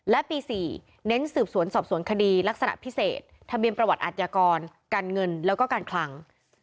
และปี๔เน้นสืบสวนสอบสวนคดีลักษณะพิเศษทะเบียนประวัติอัธยากรการเงินแล้วก็การคลัง